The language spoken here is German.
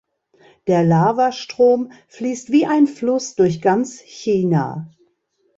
Der Lavastrom fließt wie ein Fluss durch ganz China.